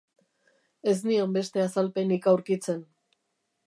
Ez nion beste azalpenik aurkitzen.